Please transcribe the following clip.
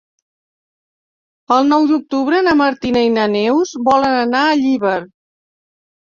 El nou d'octubre na Martina i na Neus volen anar a Llíber.